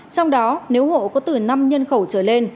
trong đó nếu hộ có từ năm nhân khẩu trở lên